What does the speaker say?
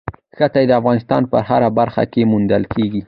ښتې د افغانستان په هره برخه کې موندل کېږي.